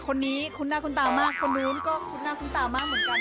คนนี้คุ้นหน้าคุ้นตามากคนนู้นก็คุ้นหน้าคุ้นตามากเหมือนกัน